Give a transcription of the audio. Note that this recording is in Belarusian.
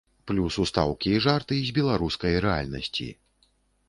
Плюс ўстаўкі і жарты з беларускай рэальнасці.